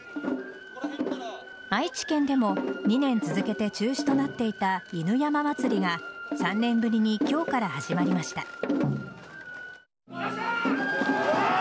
愛知県でも２年続けて中止となっていた犬山祭が３年ぶりに今日から始まりました。